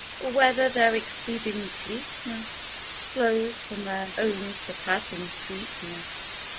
Or whether their exceeding fleetness Flows from their own surpassing sweetness.